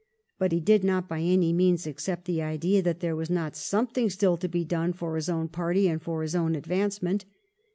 But he did not by any means accept the idea that there was not something still to be done for his own party and for his own advancement.